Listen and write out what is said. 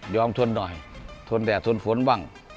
ทนหน่อยทนแดดทนฝนบ้าง